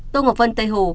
tô ngọc vân tây hồ